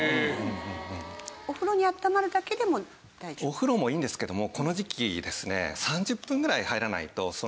お風呂もいいんですけども。